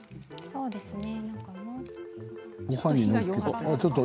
そうですよね。